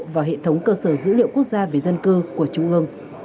vào hệ thống cơ sở dữ liệu quốc gia về dân cư của trung ương